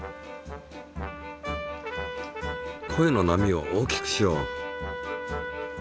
声の波を大きくしよう。